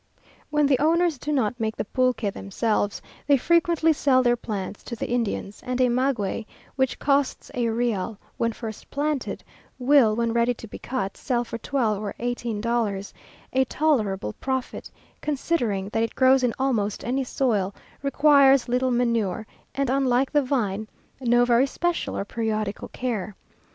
When the owners do not make the pulque themselves, they frequently sell their plants to the Indians; and a maguey, which costs a real when first planted, will, when ready to be cut, sell for twelve or eighteen dollars; a tolerable profit, considering that it grows in almost any soil, requires little manure, and, unlike the vine, no very special or periodical care.